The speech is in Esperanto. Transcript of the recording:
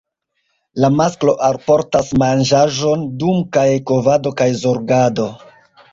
La masklo alportas manĝaĵon dum kaj kovado kaj zorgado.